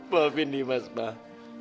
maafin dimas mbak